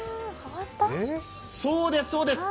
そうです、そうです。